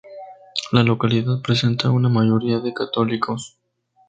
La localidad presenta una mayoría de católicos.